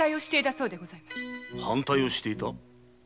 反対をしていた？